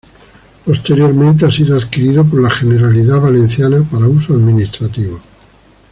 Posteriormente ha sido adquirido por la Generalidad Valenciana para uso administrativo.